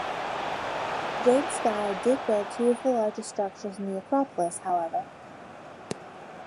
"Jade Sky" did build two of the largest structures in the acropolis, however.